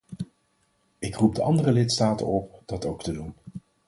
Ik roep de andere lidstaten op, dat ook te doen.